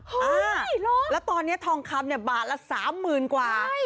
เฮ้ยรึแล้วตอนนี้ทองคำบาทละ๓๐๐๐๐กว่าใช่